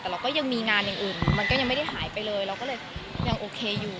แต่เราก็ยังมีงานอย่างอื่นมันก็ยังไม่ได้หายไปเลยเราก็เลยยังโอเคอยู่